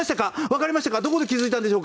わかりましたか？